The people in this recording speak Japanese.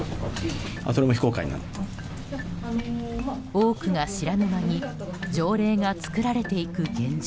多くが知らぬ間に条例が作られていく現状。